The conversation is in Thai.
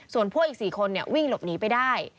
ส่วนพวกอีก๔คนวิ่งหลบหนีไปได้